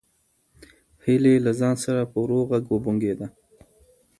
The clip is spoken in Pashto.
هیلې له ځان سره په ورو غږ وبونګېده.